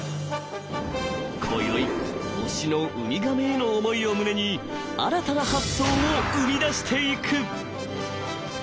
こよい推しのウミガメへの思いを胸に新たな発想を生みだしていく。